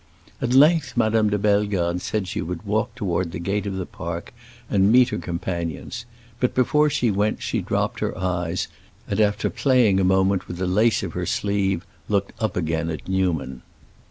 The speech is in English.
At length Madame de Bellegarde said she would walk toward the gate of the park and meet her companions; but before she went she dropped her eyes, and, after playing a moment with the lace of her sleeve, looked up again at Newman.